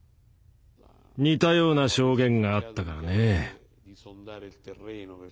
似たような証言があったからね。